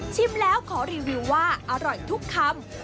แล้วขอรีวิวว่าอร่อยทุกคำ